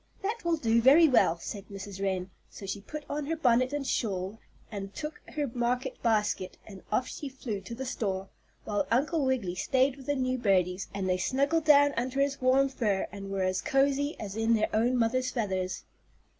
"That will do very well," said Mrs. Wren. So she put on her bonnet and shawl and took her market basket and off she flew to the store, while Uncle Wiggily stayed with the new birdies, and they snuggled down under his warm fur, and were as cozy as in their own mother's feathers.